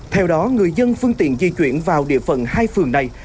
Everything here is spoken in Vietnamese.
theo đó người dân phương tiện di chuyển vào địa phận hai phường này